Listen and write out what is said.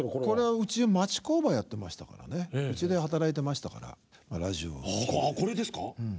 これはうち町工場やってましたからねうちで働いてましたからラジオをこれですか？